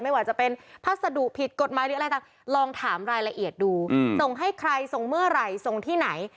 ไม่ว่าจะเป็นพัสดุผิดกฎหมายหรืออะไรต่างลองถามรายละเอียดดูส่งให้ใครส่งเมื่อไหร่ส่งที่ไหน